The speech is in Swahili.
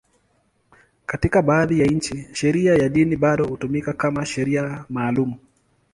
Katika baadhi ya nchi, sheria ya dini bado hutumika kama sheria maalum.